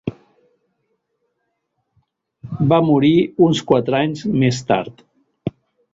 Va morir uns quatre anys més tard.